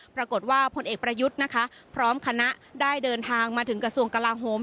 ปรากฏว่าผลเอกประยุทธ์นะคะพร้อมคณะได้เดินทางมาถึงกระทรวงกลาโฮม